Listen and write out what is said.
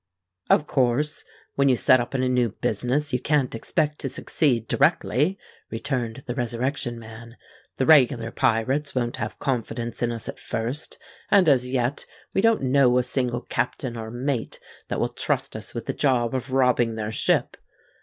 "Of course. When you set up in a new business, you can't expect to succeed directly," returned the Resurrection Man. "The regular pirates won't have confidence in us at first; and as yet we don't know a single captain or mate that will trust us with the job of robbing their ship.